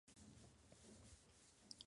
¿no viven?